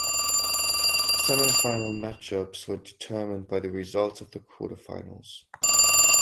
Semifinal matchups were determined by the results of the quarterfinals.